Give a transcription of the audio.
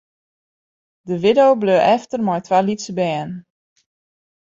De widdo bleau efter mei twa lytse bern.